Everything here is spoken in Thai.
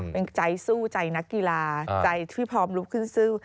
เป็นใจสู้ใจนักกีฬาใจที่พร้อมลุกขึ้นสู้